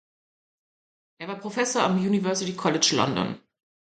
Er war Professor am University College London.